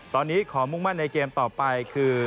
ตอนนี้ขอมุ่งมั่นในเกมต่อไปคือ